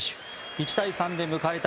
１対３で迎えた